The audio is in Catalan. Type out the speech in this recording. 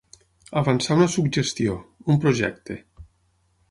Avançar una suggestió, un projecte.